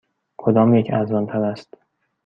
کدامیک ارزان تر است؟